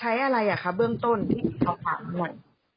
ใช้อะไรอ่ะคะเบื้องต้นที่เขาฝากด้วย